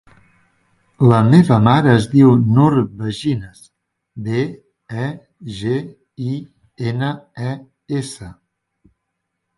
La meva mare es diu Nur Begines: be, e, ge, i, ena, e, essa.